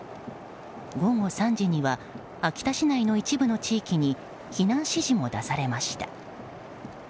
午後３時には秋田市内の一部の地域に避難指示も出されました。